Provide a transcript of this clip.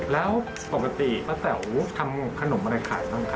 แล้วปกติป้าแสวทำขนมอะไรขายพี่ผมครับ